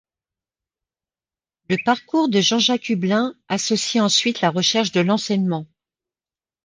Le parcours de Jean-Jacques Hublin associe ensuite la recherche et l'enseignement.